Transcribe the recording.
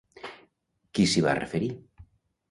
Qui s'hi va referir?